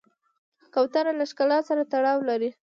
کوتره له ښکلا سره تړاو لري.